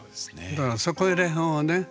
だからそこいら辺をね